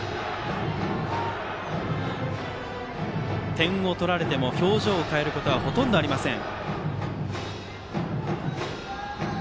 点を取られても表情を変えることはほとんどありません。